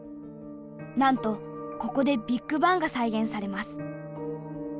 なんとここでビッグバンが再現されます。